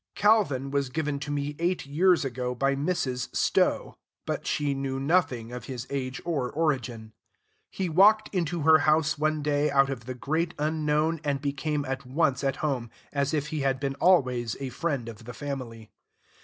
Calvin was given to me eight years ago by Mrs. Stowe, but she knew nothing of his age or origin. He walked into her house one day out of the great unknown and became at once at home, as if he had been always a friend of the family.